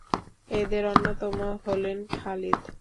এদের অন্যতম হলেন খালিদ।